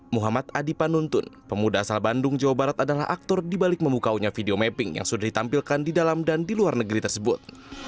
muhammad adi panuntun pemuda asal bandung jawa barat adalah aktor dibalik memukaunya video mapping yang sudah ditampilkan di dalam dan di luar negeri tersebut